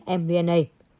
hoặc vaccine mrna